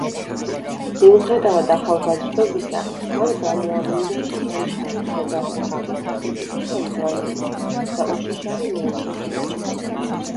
მიუხედავად ახალგაზრდობისა მან გამოავლინა შესანიშნავი მხედართმთავრის, სახელმწიფო ხელმძღვანელის და უშიშარი მეომრის ნიჭი.